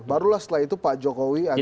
barulah setelah itu pak jokowi agak cair